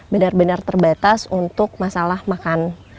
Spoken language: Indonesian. benar benar terbatas untuk masalah makan